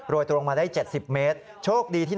โดยตรงมาได้๗๐เมตรโชคดีที่